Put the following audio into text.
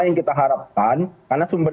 yang kita harapkan karena sumber